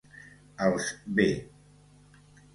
Els ve